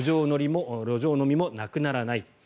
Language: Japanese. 路上飲みもなくならない。